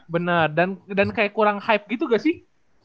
benar dan kayak kurang hype gitu gak sih